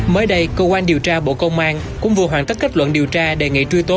mới đây cơ quan điều tra bộ công an cũng vừa hoàn tất kết luận điều tra đề nghị truy tố